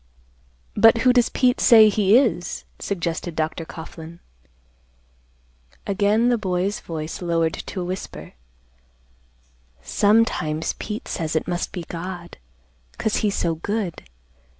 "But who does Pete say he is?" suggested Dr. Coughlan. Again the boy's voice lowered to a whisper, "Sometimes Pete says it must be God, 'cause he's so good.